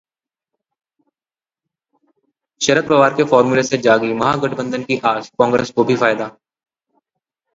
शरद पवार के फॉर्मूले से जागी महागठबंधन की आस, कांग्रेस को भी फायदा